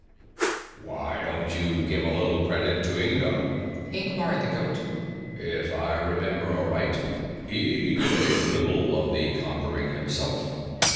"Why don't you give a little credit to Inga?" inquired the goat. "If I remember aright, he did a little of the conquering himself."